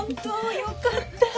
よかった。